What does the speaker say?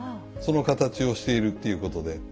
その形をしているっていうことで。